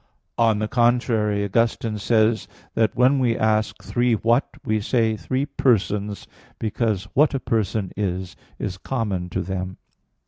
On the contrary, Augustine says (De Trin. vii, 4) that when we ask, "Three what?" we say, "Three persons," because what a person is, is common to them.